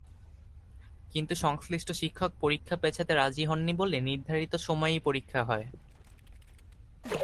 কিন্তু সংশ্লিষ্ট শিক্ষক পরীক্ষা পেছাতে রাজি হননি বলে নির্ধারিত সময়েই পরীক্ষা হয়।